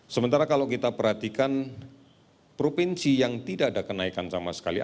sementara kalau kita perhatikan provinsi yang tidak ada kenaikan sama sekali